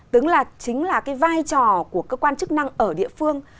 tức là chính là cái vai trò của cơ quan chức năng ở địa phương